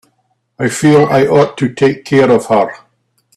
I feel I ought to take care of her.